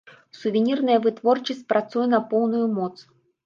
Сувенірная вытворчасць працуе на поўную моц.